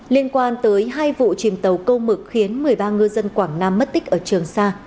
liên quan tới hai vụ chìm tàu câu mực khiến một mươi ba ngư dân quảng nam mất tích ở trường sa